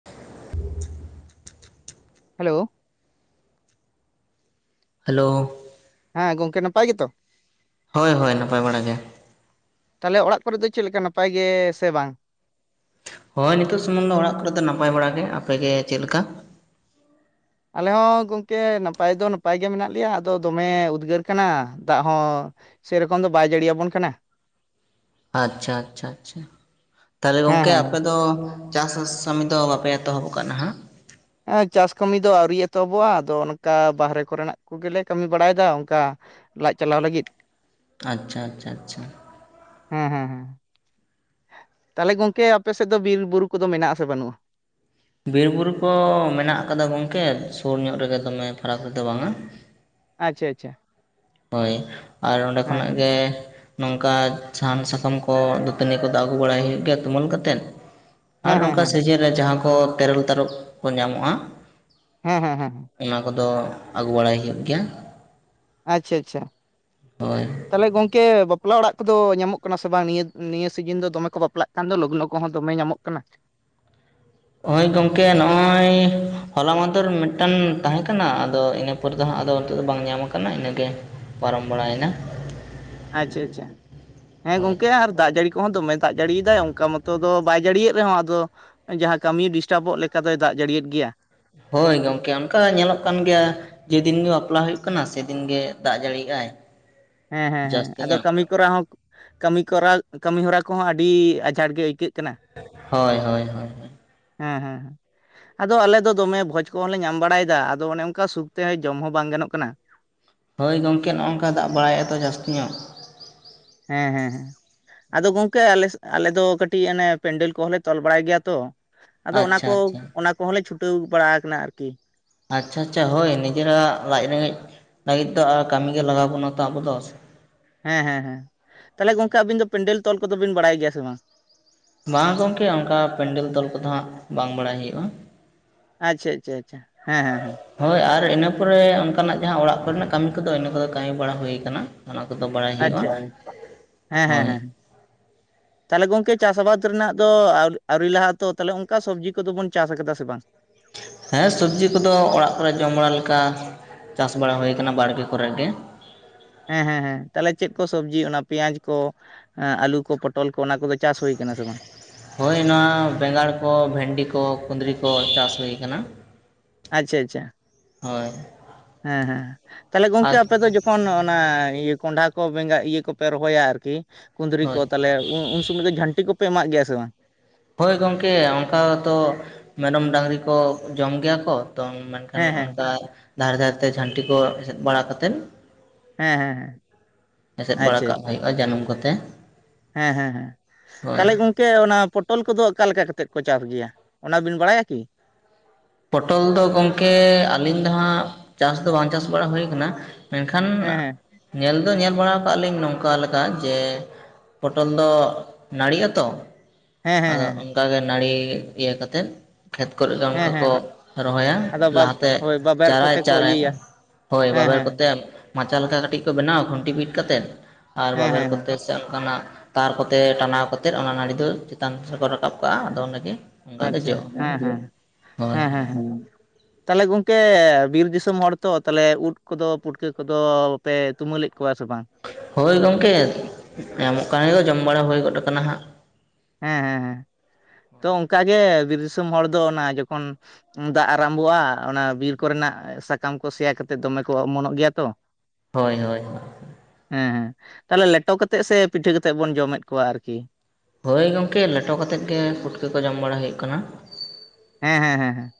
[inaudible] Hello hello ᱦᱮᱸ ᱜᱚᱝᱠᱮ ᱱᱟᱯᱟᱭ ᱜᱮᱛᱚ ᱦᱳᱭ ᱦᱳᱭ ᱱᱟᱯᱟᱭ ᱵᱟᱲᱟ ᱜᱮ ᱛᱟᱦᱚᱞᱮ ᱚᱲᱟᱜ ᱠᱚᱨᱮ ᱫᱚ ᱪᱮᱫ ᱞᱮᱠᱟ ᱱᱟᱯᱟᱭ ᱜᱮ ᱥᱮ ᱵᱟᱝ ᱦᱳᱭ ᱱᱤᱛᱳᱜ ᱥᱩᱢᱩᱝ ᱫᱚ ᱚᱲᱟᱜ ᱠᱚᱨᱮ ᱫᱚ ᱱᱟᱯᱟᱭ ᱵᱟᱲᱟᱟᱜ ᱜᱮ ᱟᱯᱮ ᱜᱮ ᱪᱮᱫ ᱞᱮᱠᱟ ᱟᱞᱮ ᱦᱚᱸ ᱜᱚᱢᱠᱮ ᱱᱟᱯᱟᱭ ᱫᱚ ᱱᱟᱯᱟᱭ ᱜᱮ ᱢᱮᱱᱟᱜ ᱞᱮᱭᱟ ᱟᱫᱚ ᱫᱚᱢᱮ ᱩᱫᱽᱜᱟᱹᱨ ᱠᱟᱱᱟ ᱫᱟᱜ ᱦᱚᱸ ᱥᱮᱨᱚᱠᱚᱢ ᱫᱚ ᱵᱟᱭ ᱡᱟᱹᱲᱤᱭᱟᱵᱚᱱ ᱠᱟᱱᱟ ᱟᱪᱪᱷᱟ ᱟᱪᱪᱷᱟ ᱟᱪᱪᱷᱟ ᱛᱟᱦᱚᱞᱮ ᱦᱮᱸ ᱜᱚᱝᱠᱮ ᱦᱮᱸ ᱟᱯᱮ ᱫᱚ ᱪᱟᱥᱟᱥ ᱠᱟᱹᱢᱤ ᱫᱚ ᱵᱟᱯᱮ ᱮᱛᱚᱦᱚᱵ ᱟᱠᱟ ᱱᱟᱦᱟᱜ ᱦᱮ ᱪᱟᱥ ᱠᱟᱹᱢᱤ ᱫᱚ ᱟᱹᱣᱨᱤ ᱮᱛᱚᱦᱚᱵᱚᱜᱼᱟ ᱟᱫᱚ ᱚᱱᱠᱟ ᱵᱟᱦᱨᱮ ᱠᱚᱨᱮᱱᱟᱜ ᱠᱚ ᱜᱮᱞᱮ ᱠᱟᱹᱢᱤ ᱵᱟᱲᱟᱭᱮᱫᱟ ᱚᱱᱠᱟ ᱞᱟᱡ ᱪᱟᱞᱟᱣ ᱞᱟᱹᱜᱤᱫ ᱟᱪᱪᱷᱟ ᱟᱪᱪᱷᱟ ᱟᱪᱪᱷᱟ ᱦᱮᱸ ᱦᱮᱸ ᱦᱮᱸ ᱛᱟᱦᱚᱞᱮ ᱜᱚᱝᱠᱮ ᱟᱯᱮ ᱥᱮᱫ ᱫᱚ ᱵᱤᱨ ᱵᱩᱨᱩ ᱠᱚᱫᱚ ᱢᱮᱱᱟᱜ ᱥᱮ ᱵᱟᱹᱱᱩᱜᱼᱟ ᱵᱤᱨ ᱵᱩᱨᱩ ᱠᱚ ᱢᱮᱱᱟᱜ ᱟᱠᱟᱫᱟ ᱜᱚᱝᱠᱮ ᱥᱩᱨ ᱧᱚᱜ ᱨᱮᱜᱮ ᱫᱚᱢᱮ ᱯᱷᱟᱨᱟᱠ ᱨᱮᱫᱚ ᱵᱟᱝᱼᱟ ᱟᱪᱪᱷᱟ ᱟᱪᱪᱷᱟ ᱦᱳᱭ ᱟᱨ ᱚᱸᱰᱮ ᱦᱮᱸ ᱠᱷᱚᱱᱟᱜ ᱜᱮ ᱱᱚᱝᱠᱟ ᱥᱟᱦᱟᱱ ᱥᱟᱠᱟᱢ ᱠᱚ ᱫᱟᱹᱛᱟᱹᱱᱤ ᱠᱚᱫᱚ ᱟᱹᱜᱩ ᱵᱟᱲᱟᱭ ᱦᱩᱭᱩᱜ ᱜᱮᱭᱟ ᱛᱩᱢᱟᱹᱞ ᱠᱟᱛᱮᱫ᱾ ᱟᱨ ᱦᱮᱸ ᱦᱮᱸ ᱦᱮᱸ ᱚᱱᱠᱟ ᱦᱮᱸ ᱥᱤᱡᱤᱱ ᱨᱮ ᱡᱟᱦᱟᱸ ᱠᱚ ᱛᱮᱨᱮᱞ ᱛᱟᱨᱚᱵ ᱠᱚ ᱧᱟᱢᱚᱜᱼᱟ ᱦᱮᱸ ᱦᱮᱸ ᱦᱮᱸ ᱦᱮᱸ ᱚᱱᱟ ᱠᱚᱫᱚ ᱟᱹᱜᱩ ᱵᱟᱲᱟᱭ ᱦᱩᱭᱩᱜ ᱜᱮᱭᱟ᱾ ᱟᱪᱪᱷᱟ ᱟᱪᱪᱷᱟ ᱦᱳᱭ ᱛᱟᱦᱚᱞᱮ ᱜᱚᱝᱠᱮ ᱵᱟᱯᱞᱟ ᱚᱲᱟᱜ ᱠᱚᱫᱚ ᱧᱟᱢᱚᱜ ᱠᱟᱱᱟ ᱥᱮ ᱵᱟᱝ ᱱᱤᱭᱟᱹ ᱱᱤᱭᱟᱹ ᱥᱤᱡᱤᱱ ᱫᱚ ᱫᱚᱢᱮ ᱠᱚ ᱵᱟᱯᱞᱟᱜ ᱠᱟᱱ ᱫᱚ ᱞᱚᱜᱽᱱᱚ ᱠᱚᱦᱚᱸ ᱫᱚᱢᱮ ᱧᱟᱢᱚᱜ ᱠᱟᱱᱟ᱾ ᱳᱭ ᱜᱚᱝᱠᱮ ᱱᱚᱜ-ᱚᱭ ᱦᱚᱞᱟ ᱢᱟᱫᱷᱮᱨ ᱢᱤᱫᱴᱟᱝ ᱛᱟᱦᱮᱸ ᱠᱟᱱᱟ ᱟᱫᱚ ᱤᱱᱟᱹ ᱯᱚᱨᱮ ᱫᱚ ᱦᱟᱸᱜ ᱟᱫᱚ ᱱᱤᱛᱚᱜ ᱫᱚ ᱵᱟᱝ ᱧᱟᱢ ᱟᱠᱟᱱᱟ ᱤᱱᱟᱹᱜᱮ ᱯᱟᱨᱚᱢ ᱵᱟᱲᱟᱭᱮᱱᱟ᱾ ᱟᱪᱪᱷᱟ ᱟᱪᱪᱷᱟ ᱦᱮᱸ ᱦᱳᱭ ᱜᱚᱝᱠᱮ ᱟᱨ ᱫᱟᱜ ᱡᱟᱹᱲᱤ ᱠᱚᱦᱚᱸ ᱫᱚᱢᱮ ᱫᱟᱜ ᱡᱟᱹᱲᱤ ᱫᱟᱭ ᱚᱱᱠᱟ ᱢᱚᱛᱚ ᱫᱚ ᱵᱟᱭ ᱡᱟᱹᱲᱤᱭᱮᱫ ᱨᱮᱦᱚᱸ ᱟᱫᱚ ᱡᱟᱦᱟᱸ ᱠᱟᱹᱢᱤ ᱰᱤᱥᱴᱟᱵᱚᱜ ᱞᱮᱠᱟ ᱫᱚᱭ ᱫᱟᱜ ᱡᱟᱹᱲᱤᱭᱮᱫ ᱜᱮᱭᱟ᱾ ᱦᱳᱭ ᱜᱚᱢᱠᱮ ᱚᱱᱠᱟ ᱧᱮᱞᱚᱜ ᱠᱟᱱ ᱜᱮᱭᱟ᱾ ᱡᱮᱫᱤᱱ ᱜᱮ ᱵᱟᱯᱞᱟ ᱦᱩᱭᱩᱜ ᱠᱟᱱᱟ ᱥᱮᱫᱤᱱ ᱜᱮ ᱫᱟᱜ ᱡᱟᱹᱲᱤ ᱭᱮᱜᱼᱟᱭ᱾ ᱦᱮᱸ ᱦᱮᱸ ᱦᱮᱸ ᱟᱫᱚ ᱠᱟᱹᱢᱤ ᱠᱚᱨᱟᱣ ᱦᱚᱸ ᱠᱟᱹᱢᱤ ᱠᱚᱨᱟᱣ ᱠᱟᱹᱢᱤ ᱦᱚᱨᱟ ᱠᱚᱦᱚᱸ ᱟᱹᱰᱤ ᱟᱸᱡᱷᱟᱴ ᱜᱮ ᱟᱹᱭᱠᱟᱹᱜ ᱠᱟᱱᱟ᱾ ᱦᱳᱭ ᱦᱳᱭ ᱦᱳᱭ ᱦᱮᱸ ᱦᱮᱸ ᱦᱮᱸ ᱟᱫᱚ ᱟᱞᱮ ᱫᱚ ᱫᱚᱢᱮ ᱵᱷᱚᱡᱽ ᱠᱚᱦᱚᱸ ᱞᱮ ᱧᱟᱢ ᱵᱟᱲᱟᱭᱮᱫᱟ ᱟᱫᱚ ᱚᱱᱮ ᱚᱱᱠᱟ ᱥᱩᱠ ᱛᱮ ᱡᱚᱢ ᱦᱚᱸ ᱵᱟᱝ ᱜᱟᱱᱚᱜ ᱠᱟᱱᱟ᱾ ᱦᱳᱭ ᱜᱚᱝᱠᱮ ᱱᱚᱝᱠᱟ ᱫᱟᱜ ᱵᱟᱲᱟᱭᱮ ᱟᱛᱚ ᱡᱟᱹᱥᱛᱤ ᱧᱚᱜ᱾ ᱦᱮᱸ ᱦᱮᱸ ᱦᱮᱸ ᱟᱫᱚ ᱜᱚᱝᱠᱮ ᱟᱞᱮ ᱥᱮ ᱟᱞᱮ ᱫᱚ ᱠᱟᱹᱴᱤᱡ ᱚᱱᱮ ᱯᱮᱱᱰᱮᱞ ᱠᱚᱦᱚᱸᱞᱮ ᱛᱚᱞ ᱵᱟᱲᱟᱭ ᱜᱮᱭᱟ ᱛᱚ᱾ ᱟᱫᱚ ᱚᱱᱟ ᱟᱪᱪᱷᱟ ᱠᱚ ᱟᱪᱪᱷᱟ ᱚᱱᱟ ᱠᱚᱦᱚᱸᱞᱮ ᱪᱷᱩᱴᱟᱹᱣ ᱵᱟᱲᱟ ᱠᱟᱱᱟ ᱟᱨᱠᱤ᱾ ᱟᱪᱪᱷᱟ ᱟᱪᱪᱷᱟ ᱦᱳᱭ ᱱᱤᱡᱮᱨᱟᱜ ᱞᱟᱡ ᱨᱮᱸᱜᱮᱡ ᱞᱟᱹᱜᱤᱫ ᱫᱚ ᱟᱨ ᱠᱟᱹᱢᱤ ᱜᱮ ᱞᱟᱜᱟᱣ ᱵᱚᱱᱟ ᱛᱚ ᱟᱵᱚ ᱫᱚ᱾ ᱦᱮᱸ ᱦᱮᱸ ᱦᱮᱸ ᱛᱟᱦᱚᱞᱮ ᱜᱚᱝᱠᱮ ᱟᱵᱤᱱ ᱫᱚ ᱯᱮᱱᱰᱮᱞ ᱛᱚᱞ ᱠᱚᱫᱚ ᱵᱤᱱ ᱵᱟᱲᱟᱭ ᱜᱮᱭᱟ ᱥᱮ ᱵᱟᱝ? ᱵᱟᱝ ᱜᱚᱢᱠᱮ ᱚᱱᱠᱟ ᱯᱮᱱᱰᱮᱞ ᱛᱚᱞ ᱠᱚᱫᱚ ᱦᱟᱸᱜ ᱵᱟᱝ ᱵᱟᱲᱟᱭ ᱦᱩᱭᱩᱜᱼᱟ᱾ ᱟᱪᱪᱷᱟ ᱪᱷᱟ ᱪᱷᱟ ᱦᱮᱸ ᱦᱮᱸ ᱦᱮᱸ ᱦᱳᱭ ᱟᱨ ᱤᱱᱟᱹ ᱯᱚᱨᱮ ᱚᱱᱠᱟᱱᱟᱜ ᱡᱟᱦᱟᱸ ᱚᱲᱟᱜ ᱠᱚᱨᱮᱱᱟᱜ ᱠᱟᱹᱢᱤ ᱠᱚᱫᱚ ᱤᱱᱟᱹ ᱠᱚᱫᱚ ᱠᱟᱹᱢᱤ ᱵᱟᱲᱟ ᱦᱩᱭᱩ ᱠᱟᱱᱟ᱾ ᱚᱱᱟ ᱠᱚᱫᱚ ᱵᱟᱲᱟᱭ ᱦᱩᱭᱩᱜᱼᱟ ᱟᱪᱪᱷᱟ ᱦᱮᱸ ᱾ ᱦᱮᱸ ᱦᱳᱭ ᱦᱮᱸ ᱛᱟᱦᱚᱞᱮ ᱜᱚᱝᱠᱮ ᱪᱟᱥ ᱟᱵᱟᱫ ᱨᱮᱱᱟᱜ ᱫᱚ ᱟᱹᱣᱨᱤ ᱞᱟᱦᱜ-ᱟ ᱛᱚ ᱛᱟᱦᱚᱞᱮ ᱚᱱᱠᱟ ᱥᱚᱵᱽᱡᱤ ᱠᱚᱫᱚ ᱵᱚᱱ ᱪᱟᱥ ᱠᱟᱫᱟ ᱥᱮ ᱵᱟᱝ? ᱦᱮᱸ ᱥᱚᱵᱽᱡᱤ ᱠᱚᱫᱚ ᱚᱲᱟᱜ ᱠᱚᱨᱮ ᱡᱚᱢ ᱵᱟᱲᱟ ᱞᱮᱠᱟ ᱪᱟᱥ ᱵᱟᱲᱟ ᱦᱩᱭ ᱠᱟᱱᱟ ᱵᱟᱲᱜᱮ ᱠᱚᱨᱮ ᱜᱮ᱾ ᱦᱮᱸ ᱦᱮᱸ ᱦᱮᱸ ᱛᱟᱦᱚᱞᱮ ᱪᱮᱫ ᱠᱚ ᱥᱚᱵᱽᱡᱤ ᱚᱱᱟ ᱯᱮᱸᱭᱟᱡᱽ ᱠᱚ ᱦᱮᱸ ᱟᱞᱩ ᱠᱚ ᱯᱚᱴᱚᱞ ᱠᱚ ᱚᱱᱟ ᱠᱚᱫᱚ ᱪᱟᱥ ᱦᱩᱭ ᱟᱠᱟᱱᱟ ᱥᱮ ᱵᱟᱝ? ᱦᱳᱭ ᱱᱚᱣᱟ ᱵᱮᱸᱜᱟᱲ ᱠᱚ ᱵᱷᱮᱱᱰᱤ ᱠᱚ ᱠᱩᱸᱫᱽᱨᱤ ᱠᱚ ᱪᱟᱥ ᱦᱩᱭ ᱟᱠᱟᱱᱟ᱾ ᱟᱪᱪᱷᱟ ᱟᱪᱪᱷᱟ ᱦᱳᱭ ᱦᱮᱸ ᱦᱮᱸ ᱛᱟᱦᱚᱞᱮ ᱜᱚᱝᱠᱮ ᱟᱨ ᱟᱯᱮ ᱫᱚ ᱛᱚᱠᱷᱚᱱ ᱚᱱᱟ ᱤᱭᱟᱹ ᱠᱚᱸᱰᱷᱟ ᱠᱚ ᱵᱮᱸᱜᱟ ᱤᱭᱟᱹ ᱠᱚᱯᱮ ᱨᱚᱦᱚᱭᱟ ᱟᱨᱠᱤ ᱠᱩᱸᱫᱽᱨᱤ ᱠᱚ ᱦᱳᱭ ᱛᱟᱦᱚᱞᱮ ᱩᱱ ᱥᱚᱢᱚᱭ ᱫᱚ ᱡᱷᱟᱹᱱᱴᱤ ᱠᱚᱯᱮ ᱮᱢᱟᱜ ᱜᱮᱭᱟ ᱥᱮ ᱵᱟᱝ? ᱦᱚᱳᱭ ᱜᱚᱝᱠᱮ ᱚᱱᱠᱟ ᱛᱚ ᱢᱮᱨᱚᱢ ᱰᱟᱹᱝᱨᱤ ᱠᱚ ᱡᱚᱢ ᱜᱮᱭᱟ ᱠᱚ ᱛᱚ ᱢᱮᱱᱠᱷᱟᱱ ᱦᱮᱸ ᱦᱮᱸ ᱚᱱᱠᱟ ᱫᱷᱟᱨᱮ ᱫᱷᱟᱨᱮ ᱛᱮ ᱡᱷᱟᱹᱱᱴᱤ ᱠᱚ ᱮᱥᱮᱫ ᱵᱟᱲᱟ ᱠᱟᱛᱮᱫ ᱦᱮᱸ ᱦᱮᱸ ᱦᱮᱸ ᱮᱥᱮᱫ ᱵᱟᱲᱟ ᱟᱪᱪᱷᱟ ᱠᱟᱜ ᱟᱪᱪᱷᱟ ᱦᱩᱭᱩᱜᱼᱟ ᱡᱟᱹᱱᱩᱢ ᱠᱚᱛᱮ᱾ ᱦᱮᱸ ᱦᱮᱸ ᱦᱮᱸ ᱦᱳᱭ ᱛᱟᱦᱚᱞᱮ ᱜᱚᱝ ᱠᱮ ᱚᱱᱟ ᱯᱚᱴᱚᱞ ᱠᱚᱫᱚ ᱚᱠᱟ ᱞᱮᱠᱟ ᱠᱟᱛᱮᱫ ᱠᱚ ᱪᱟᱥ ᱜᱮᱭᱟ ᱚᱱᱟᱵᱤᱱ ᱵᱟᱲᱟᱭᱟ ᱠᱤ? ᱯᱚᱴᱚᱞ ᱫᱚ ᱜᱚᱢᱠᱮ ᱟᱹᱞᱤᱧ ᱫᱚ ᱦᱟᱸᱜ ᱪᱟᱥ ᱫᱚ ᱵᱟᱝ ᱪᱟᱥ ᱵᱟᱲᱟ ᱦᱩᱭ ᱠᱟᱱᱟ᱾ ᱢᱮᱱᱠᱷᱟᱱ ᱦᱮᱸ ᱦᱮᱸ ᱧᱮᱞ ᱫᱚ ᱧᱮᱞ ᱵᱟᱲᱟ ᱠᱟᱜ ᱞᱤᱧ ᱱᱚᱝᱠᱟ ᱞᱮᱠᱟ ᱡᱮ ᱯᱚᱴᱚᱞ ᱫᱚ ᱱᱟᱹᱲᱤᱜ ᱟᱛᱚ᱾ ᱦᱮᱸ ᱦᱮᱸ ᱟᱫᱚ ᱦᱮᱸ ᱚᱱᱠᱟᱜᱮ ᱱᱟᱹᱲᱤ ᱤᱭᱟᱹ ᱠᱟᱛᱮᱜ ᱠᱷᱮᱛ ᱠᱚᱨᱮ ᱫᱚ ᱚᱱᱠᱟ ᱦᱮᱸ ᱦᱮᱸ ᱠᱚ ᱨᱚᱦᱚᱭᱟ ᱟᱫᱚ ᱵᱟᱵ ᱞᱟᱦᱟᱛᱮ ᱦᱳᱭ ᱵᱟᱵᱮᱨ ᱪᱟᱨᱟᱭ ᱠᱚᱛᱮ ᱠᱚ ᱪᱟᱨᱟᱭ ᱤᱭᱟᱹᱭᱟ ᱦᱳᱭ ᱦᱮᱸ ᱵᱟᱵᱮᱨ ᱦᱮᱸ ᱠᱚᱛᱮ ᱢᱟᱪᱟ ᱞᱮᱠᱟ ᱠᱟᱹᱴᱤᱡ ᱠᱚ ᱵᱮᱱᱟᱣᱟ ᱠᱷᱩᱱᱴᱤ ᱵᱤᱫ ᱠᱟᱛᱮᱫ ᱟᱨ ᱦᱮᱸ ᱵᱟᱵᱮᱨ ᱦᱮᱸ ᱦᱮᱸ ᱠᱚᱛᱮ ᱥᱮ ᱚᱱᱠᱟᱱᱟᱜ ᱛᱟᱨ ᱠᱚᱛᱮ ᱴᱟᱱᱟᱣ ᱠᱟᱛᱮᱫ ᱚᱱᱟ ᱱᱟᱹᱲᱤ ᱫᱚ ᱪᱮᱛᱟᱱ ᱥᱮᱠᱚ ᱨᱟᱠᱟᱵ ᱠᱟᱜᱼᱟ ᱟᱫᱚ ᱚᱸᱰᱮ ᱜᱮ ᱚᱱᱠᱟ ᱜᱮ ᱟᱪᱪᱷᱟ ᱡᱚᱜᱼᱟ ᱦᱮᱸ ᱦᱮᱸ ᱦᱳᱭ ᱦᱮᱸ ᱦᱮᱸ ᱦᱮᱸ ᱛᱟᱦᱚᱞᱮ ᱜᱚᱝᱠᱮ ᱵᱤᱨ ᱫᱤᱥᱚᱢ ᱦᱚᱲ ᱛᱚ ᱛᱟᱦᱚᱞᱮ ᱩᱫ ᱠᱚᱫᱚ ᱯᱩᱴᱠᱟᱹ ᱠᱚᱫᱚ ᱯᱮ ᱛᱩᱢᱟᱹᱞᱮᱫ ᱠᱚᱣᱟ ᱥᱮ ᱵᱟᱝ? ᱦᱳᱭ ᱜᱚᱢᱠᱮ ᱧᱟᱢᱚᱜ ᱠᱟᱱ ᱜᱮᱭᱟ ᱡᱚᱢ ᱵᱟᱲᱟ ᱦᱩᱭ ᱜᱚᱫ ᱠᱟᱱᱟ ᱦᱟᱸᱜ ᱦᱮᱸ ᱦᱮᱸ ᱦᱮᱸ ᱛᱚ ᱚᱱᱠᱟᱜᱮ ᱵᱤᱨ ᱫᱤᱥᱚᱢ ᱦᱚᱲ ᱫᱚ ᱚᱱᱟ ᱡᱚᱠᱷᱚᱱ ᱫᱟᱜ ᱟᱨᱟᱢᱵᱷᱚᱜᱼᱟ ᱚᱱᱟ ᱵᱤᱨ ᱠᱚᱨᱮᱱᱟᱜ ᱥᱟᱠᱟᱢ ᱠᱚ ᱥᱮᱭᱟ ᱠᱟᱛᱮᱜ ᱫᱚᱢᱮ ᱠᱚ ᱚᱢᱚᱱᱚᱜ ᱜᱮᱭᱟ ᱛᱚ ᱦᱳᱭ ᱦᱳᱭ ᱦᱮᱸ ᱦᱮᱸ ᱛᱟᱦᱚᱞᱮ ᱞᱮᱴᱚ ᱠᱟ ᱠᱟᱛᱮᱫ ᱥᱮ ᱯᱤᱴᱷᱟᱹ ᱠᱟᱛᱮᱫ ᱵᱚᱱ ᱡᱚᱢᱮᱫ ᱠᱚᱣᱟ ᱟᱨᱠᱤ? ᱦᱳᱭ ᱜᱚᱢᱠᱮ ᱞᱮᱴᱚ ᱠᱟ ᱠᱟᱛᱮᱫ ᱜᱮ ᱯᱩᱴᱠᱟᱹ ᱠᱚ ᱡᱚᱢ ᱵᱟᱲᱟ ᱦᱩᱭᱩᱜ ᱠᱟᱱᱟ ᱦᱮᱸ ᱦᱮᱸ ᱦᱮ ᱦᱮᱸ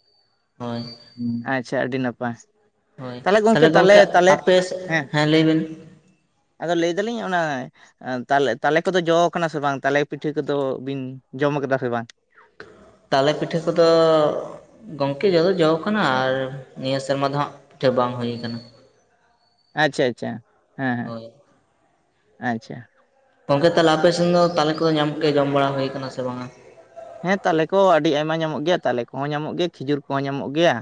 ᱦᱳᱭ ᱟᱪᱪᱷᱟ ᱟᱹᱰᱤ ᱱᱟᱯᱟᱭ ᱦᱳᱭ ᱛᱟᱦᱞᱮ ᱜᱚᱢᱠᱮ ᱛᱟᱦᱚᱞᱮ ᱛᱟᱞᱦᱮ ᱛᱟᱞᱦᱮ ᱟᱯᱮ ᱦᱮᱸ ᱞᱟᱹᱭ ᱵᱤᱱ ᱟᱫᱚ ᱞᱟᱹᱭ ᱫᱟᱞᱤᱧ ᱚᱱᱟ ᱛᱟᱞᱮ ᱛᱟᱞᱮ ᱠᱚᱫᱚ ᱡᱚ ᱠᱟᱱᱟ ᱥᱮ ᱵᱟᱝ? ᱛᱟᱞᱮ ᱯᱤᱴᱷᱟᱹ ᱠᱚᱫᱚ ᱵᱤᱱ ᱡᱚᱢ ᱠᱟᱫᱟ ᱥᱮ ᱵᱟᱝ? ᱛᱟᱞᱮ ᱯᱤᱴᱷᱟᱹ ᱠᱚᱫᱚ ᱜᱚᱢᱠᱮ ᱡᱚ ᱫᱚ ᱡᱚ ᱠᱟᱱᱟ ᱟᱨ ᱱᱤᱭᱟᱹ ᱥᱮᱨᱢᱟ ᱫᱚ ᱦᱟᱸᱜ ᱯᱤᱴᱷᱟᱹ ᱵᱟᱝ ᱦᱩᱭ ᱠᱟᱱᱟ ᱟᱪᱪᱷᱟ ᱟᱪᱪᱷᱟ ᱦᱮᱸ ᱦᱮᱸ ᱦᱳᱭ ᱟᱪᱪᱷᱟ ᱜᱚᱢᱠᱮ ᱛᱟᱦᱚᱞᱮ ᱟᱯᱮ ᱥᱮᱱ ᱫᱚ ᱛᱟᱞᱮ ᱠᱚ ᱧᱟᱢᱚᱜ ᱜᱮᱭᱟ ᱡᱚᱢ ᱵᱟᱲᱟ ᱦᱩᱭᱠᱟᱱᱟ ᱥᱮ ᱵᱟᱝᱟ? ᱦᱮᱸ ᱛᱟᱞᱮ ᱠᱚ ᱟᱹᱰᱤ ᱟᱭᱢᱟ ᱧᱟᱢᱚᱜ ᱜᱮᱭᱟ ᱛᱟᱞᱮ ᱠᱚᱦᱚᱸ ᱧᱟᱢᱚᱜ ᱜᱮᱭᱟ ᱠᱷᱤᱡᱩᱨ ᱠᱚᱦᱚᱸ ᱧᱟᱢᱚᱜ ᱜᱮᱭᱟ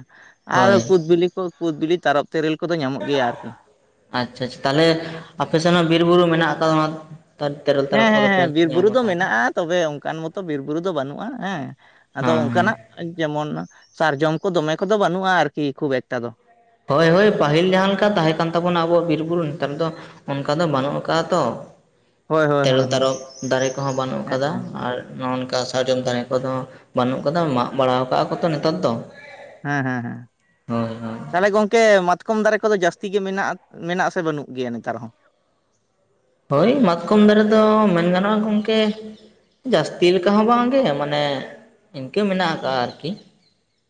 ᱟᱨ ᱦᱳᱭ ᱠᱩᱫᱽ ᱵᱤᱞᱤ ᱠᱚ ᱠᱩᱫᱽ ᱵᱤᱞᱤ ᱛᱟᱨᱚᱵ ᱛᱮᱹᱨᱮᱹᱞ ᱠᱚᱫᱚ ᱧᱟᱢᱚᱜ ᱜᱮᱭᱟ ᱟᱨᱠᱤ ᱟᱪᱪᱷᱟ ᱟᱪᱪᱷᱟ ᱛᱟᱦᱞᱮ ᱟᱯᱮ ᱥᱮᱫ ᱦᱚᱸ ᱵᱤᱨ ᱵᱩᱨᱩ ᱢᱮᱱᱟᱜ ᱟᱠᱟᱫᱟ ᱛᱮᱨᱮᱞ ᱦᱮᱸ ᱛᱟᱨᱚᱵ ᱦᱮᱸ ᱠᱚᱫᱚ ᱯᱮ ᱦᱮᱸ ᱵᱤᱨ ᱵᱩᱨᱩ ᱧᱟᱢᱟ ᱫᱚ ᱛᱟᱦᱚᱞᱮ ᱢᱮᱱᱟᱜᱼᱟ ᱛᱚᱵᱮ ᱚᱱᱠᱟᱱ ᱢᱚᱛᱚ ᱵᱤᱨ ᱵᱩᱨᱩ ᱫᱚ ᱵᱟᱹᱱᱩᱜᱼᱟ ᱦᱮᱸ ᱟᱫᱚ ᱦᱮᱸ ᱦᱮᱸ ᱚᱱᱠᱟᱱᱟᱜ ᱡᱮᱢᱚᱱ ᱥᱟᱨᱡᱚᱢ ᱠᱚ ᱫᱚᱢᱮ ᱠᱚᱫᱚ ᱵᱟᱹᱱᱩᱜᱼᱟ ᱟᱨᱠᱤ ᱠᱷᱩᱵ ᱮᱠᱴᱟ ᱫᱚ ᱦᱳᱭ ᱦᱳᱭ ᱯᱟᱹᱦᱤᱞ ᱡᱟᱦᱟᱸ ᱞᱮᱠᱟ ᱛᱟᱦᱮᱸ ᱠᱟᱱ ᱛᱟᱵᱚᱱᱟ ᱟᱵᱚᱣᱟᱜ ᱵᱤᱨ ᱵᱩᱨᱩ ᱱᱮᱛᱟᱨ ᱫᱚ ᱚᱱᱠᱟ ᱫᱚ ᱵᱟᱹᱱᱩᱜ ᱟᱠᱟᱫᱟ ᱛᱚ ᱦᱳᱭ ᱦᱳᱭ ᱛᱮᱨᱮᱞ ᱦᱳᱭ ᱦᱳᱭ ᱛᱟᱨᱚᱵ ᱫᱟᱨᱮ ᱠᱚᱦᱚᱸ ᱵᱟᱹᱱᱩᱜ ᱦᱮᱸ ᱟᱠᱟᱫᱟ ᱦᱮᱸ ᱟᱨ ᱱᱚᱜ ᱱᱚᱝᱠᱟ ᱥᱟᱨᱡᱚᱢ ᱫᱟᱨᱮ ᱠᱚᱫᱚ ᱵᱟᱹᱱᱩᱜ ᱟᱠᱟᱫᱟ ᱢᱟᱜ ᱵᱟᱲᱟ ᱟᱠᱟᱜᱼᱟ ᱠᱚ ᱛᱚ ᱱᱮᱛᱟᱨ ᱫᱚ ᱦᱮᱸ ᱦᱮᱸ ᱦᱮᱸ ᱦᱳᱭ ᱦᱳᱭ ᱛᱟᱦᱚᱞᱮ ᱜᱚᱢᱠᱮ ᱢᱟ ᱠᱚᱢ ᱫᱟᱨᱮ ᱠᱚᱫᱚ ᱡᱟᱹᱥᱛᱤ ᱜᱮ ᱢᱮᱱᱟᱜᱼᱟ ᱢᱮᱱᱟᱜ ᱥᱮ ᱵᱟᱹᱱᱩᱜ ᱜᱮᱭᱟ ᱱᱮᱛᱟᱨ ᱦᱚᱸ? ᱦᱳᱭ ᱢᱟᱛᱠᱚᱢ ᱫᱟᱨᱮ ᱫᱚ ᱢᱮᱱ ᱜᱟᱱᱚᱜᱼᱟ ᱜᱚᱢᱠᱮ ᱡᱟᱹᱥᱛᱤ ᱞᱮᱠᱟ ᱦᱚᱸ ᱵᱟᱝ ᱜᱮ ᱢᱟᱱᱮ ᱤᱱᱠᱟᱹ ᱢᱮᱱᱟᱜ ᱟᱠᱟᱜ-ᱟ ᱟᱨᱠᱤ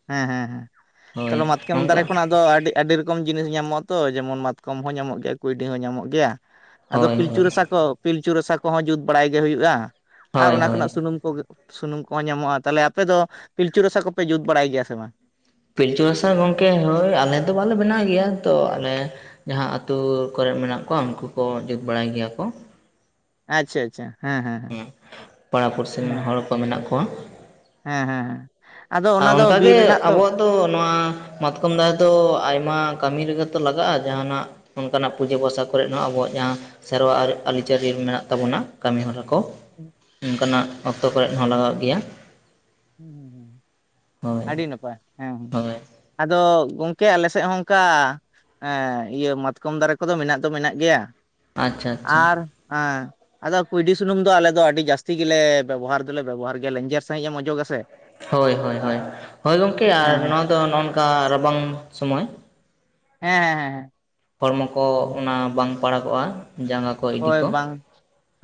ᱦᱮᱸ ᱦᱮᱸ ᱦᱮᱸ ᱦᱳᱭ ᱛᱟᱦᱞᱮ ᱢᱟᱛᱠᱚᱢ ᱫᱟᱨᱮ ᱚᱱᱠᱟ ᱠᱷᱚᱱᱟᱜ ᱫᱚ ᱟᱹᱰᱤ ᱟᱹᱰᱤ ᱨᱚᱠᱚᱢ ᱡᱤᱱᱤᱥ ᱧᱟᱢᱚᱜᱼᱟ ᱛᱚ ᱡᱮᱢᱚᱱ ᱢᱟᱛᱠᱚᱢ ᱦᱚᱸ ᱧᱟᱢᱚᱜ ᱜᱮᱭᱟ ᱠᱩᱭᱰᱤ ᱦᱚᱸ ᱧᱟᱢᱚᱜ ᱜᱮᱭᱟ ᱟᱫᱚ ᱦᱳᱭ ᱯᱤᱞᱪᱩ ᱦᱳᱭ ᱨᱟᱥᱟ ᱠᱚ ᱯᱤᱞᱪᱩ ᱨᱟᱥᱟ ᱠᱚᱦᱚᱸ ᱡᱩᱛ ᱵᱟᱲᱟᱭ ᱜᱮ ᱦᱩᱭᱩᱜᱼᱟ ᱟᱨ ᱦᱳᱭ ᱚᱱᱟ ᱦᱳᱭ ᱠᱷᱚᱱᱟᱜ ᱥᱩᱱᱩᱢ ᱠᱚᱜᱮ ᱥᱩᱱᱩᱢ ᱠᱚᱦᱚᱸ ᱧᱟᱢᱚᱜᱼᱟ᱾ ᱛᱟᱦᱚᱞᱮ ᱟᱯᱮ ᱫᱚ ᱯᱤᱞᱪᱩ ᱨᱟᱥᱟ ᱠᱚᱯᱮ ᱡᱩᱛ ᱵᱟᱲᱟᱭ ᱜᱮᱭᱟ ᱥᱮ ᱵᱟᱝ? ᱯᱤᱞᱪᱩ ᱨᱟᱥᱟ ᱜᱚᱝᱠᱮ ᱦᱳᱭ ᱟᱞᱮ ᱫᱚ ᱵᱟᱞᱮ ᱵᱮᱱᱟᱣ ᱜᱮᱭᱟ ᱛᱚ ᱟᱞᱮ ᱡᱟᱦᱟᱸ ᱟᱹᱛᱩ ᱠᱚᱨᱮᱜ ᱢᱮᱱᱟᱜ ᱠᱚᱣᱟ ᱩᱱᱠᱩ ᱠᱚ ᱡᱩᱛ ᱵᱟᱲᱟᱭ ᱜᱮᱭᱟ ᱠᱚ ᱟᱪᱪᱷᱟ ᱟᱪᱪᱷᱟ ᱦᱮᱸ ᱦᱮᱸ ᱦᱮᱸ ᱯᱟᱲᱟ ᱯᱩᱲᱥᱤ ᱨᱮᱱ ᱦᱮᱸ ᱦᱚᱲ ᱠᱚ ᱢᱮᱱᱟᱜ ᱠᱚᱣᱟ ᱦᱮᱸ ᱦᱮᱸ ᱟᱫᱚ ᱚᱱᱟ ᱫᱚ ᱵᱤᱨ ᱨᱮᱱᱟᱜ ᱛᱚ ᱛᱚ ᱱᱚᱣᱟ ᱢᱟᱛᱠᱚᱢ ᱫᱟᱨᱮ ᱫᱚ ᱟᱭᱢᱟ ᱠᱟᱹᱢᱤ ᱨᱮᱜᱮ ᱛᱚ ᱞᱟᱜᱟᱜᱼᱟ ᱡᱟᱦᱟᱱᱟᱜ ᱚᱱᱠᱟᱱᱟᱜ ᱯᱩᱡᱟᱹ ᱯᱟᱥᱟ ᱠᱚᱨᱮᱜ ᱦᱚᱸ ᱟᱵᱚᱣᱟᱜ ᱡᱟᱦᱟᱸ ᱥᱮᱨᱣᱟ ᱟᱹᱨᱤᱪᱟᱹᱞᱤ ᱢᱮᱱᱟᱜ ᱛᱟᱵᱚᱱᱟ ᱠᱟᱹᱢᱤ ᱦᱚᱨᱟ ᱠᱚ [inaudible] ᱚᱱᱠᱟᱱᱟᱜ ᱚᱠᱛᱚ ᱠᱚᱨᱮᱫ ᱦᱚᱸ ᱞᱟᱜᱟᱜ ᱜᱮᱭᱟ ᱦᱮᱸ ᱦᱳᱭ ᱟᱹᱰᱤ ᱱᱟᱯᱟᱭ ᱦᱮᱸ ᱦᱮᱸ ᱦᱳᱭ ᱟᱫᱚ ᱜᱚᱢᱠᱮ ᱟᱞᱮ ᱥᱮᱫ ᱦᱚᱸ ᱚᱱᱠᱟ ᱦᱮᱸ ᱤᱭᱟᱹ ᱢᱟᱛᱠᱚᱢ ᱫᱟᱨᱮ ᱠᱚᱫᱚ ᱢᱮᱱᱟᱜ ᱫᱚ ᱢᱮᱱᱟᱜ ᱜᱮᱭᱟ ᱟᱪᱪᱷᱟ ᱟᱪᱪᱷᱟ ᱟᱨ ᱦᱮᱸ ᱟᱫᱚ ᱠᱩᱸᱭᱰᱤ ᱥᱩᱱᱩᱢ ᱫᱚ ᱟᱞᱮ ᱫᱚ ᱟᱹᱰᱤ ᱡᱟᱹᱥᱛᱤ ᱜᱮᱞᱮ ᱵᱮᱵᱚᱦᱟᱨ ᱫᱚᱞᱮ ᱵᱮᱵᱚᱦᱟᱨ ᱜᱮᱭᱟ ᱞᱮᱸᱡᱮᱨ ᱥᱟᱺᱦᱤᱡ ᱮᱢ ᱚᱡᱚᱜᱽ ᱟᱥᱮ ᱦᱳᱭ ᱦᱳᱭ ᱦᱳᱭ ᱦᱳᱭ ᱜᱚᱢᱠᱮ ᱟᱨ ᱦᱮᱸ ᱱᱚᱣᱟ ᱫᱚ ᱱᱚᱜ ᱱᱚᱝᱠᱟ ᱨᱟᱵᱟᱝ ᱥᱚᱢᱚᱭ ᱦᱮᱸ ᱦᱮᱸ ᱦᱮᱸ ᱦᱚᱲᱢᱚ ᱠᱚ ᱚᱱᱟ ᱵᱟᱝ ᱯᱟᱲᱟᱜᱚᱜᱼᱟ ᱡᱟᱸᱜᱟ ᱠᱚ ᱤᱰᱤ ᱦᱳᱭ ᱠᱚ ᱵᱟᱝ